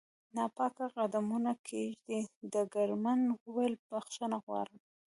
ناپاک قدمونه کېږدي، ډګرمن وویل: بخښنه غواړم.